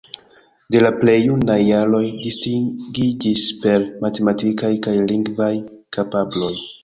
De la plej junaj jaroj distingiĝis per matematikaj kaj lingvaj kapabloj.